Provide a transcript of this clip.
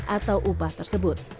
atau upah tersebut